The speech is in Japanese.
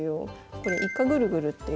これイカぐるぐるっていう。